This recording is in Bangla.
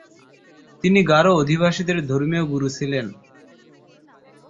তিনি গারো আদিবাসীদের ধর্মীয় গুরু ছিলেন।